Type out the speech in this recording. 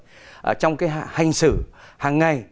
vì vậy trong cái hành xử hàng ngày